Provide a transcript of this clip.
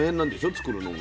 作るのが。